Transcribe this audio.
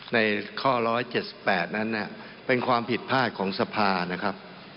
ในข้อ๑๗๘นั้นเป็นความผิดพลาดของสภานะครับ